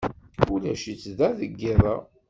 Ulac-itt da deg yiḍ-a.